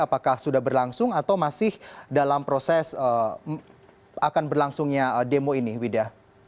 apakah sudah berlangsung atau masih dalam proses akan berlangsungnya demo ini wida